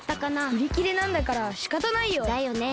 うりきれなんだからしかたないよ！だよね。